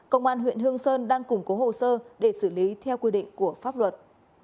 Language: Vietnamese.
công an huyện hương sơn đang củng cố hồ sơ để xử lý theo quy định của pháp luật